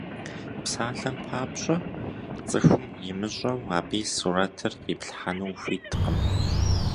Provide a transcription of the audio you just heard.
Псалъэм папщӏэ, цӏыхум имыщӏэу, абы и сурэтыр къиплъхьэну ухуиткъым.